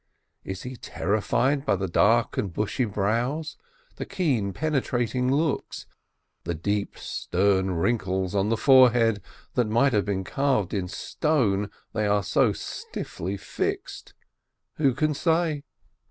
Is he terrified by the dark and bushy brows, the keen, penetrating looks, the deep, stern wrinkles in the forehead that might have been carved in stone, they are so stiffly fixed? Who can say?